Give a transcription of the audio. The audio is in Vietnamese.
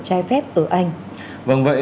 trai phép ở anh vâng vậy